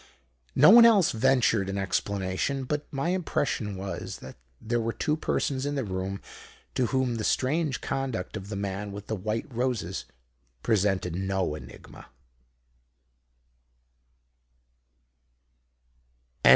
No one else ventured an explanation. But my impression was that there were two persons in the room to whom the strange conduct of the man with the white roses presented no enigma.